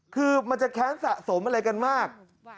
คือมันจะแค้นสะสมอะไรกันมาก